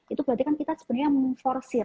itu berarti kan kita sebenarnya memforsir